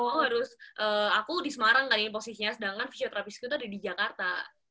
jadi kan gue harus aku di semarang kan ini posisinya sedangkan fisioterapis gue tuh ada di jakarta